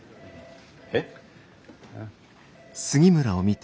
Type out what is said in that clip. えっ？